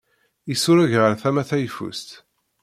Isureg ɣer tama tayeffust.